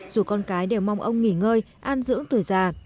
dù con cái đều mong ông nghỉ ngơi an dưỡng tuổi già